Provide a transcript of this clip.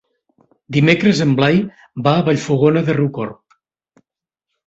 Dimecres en Blai va a Vallfogona de Riucorb.